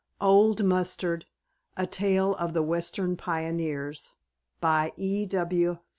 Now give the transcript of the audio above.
"OLD MUSTARD": A TALE OF THE WESTERN PIONEERS By E. W.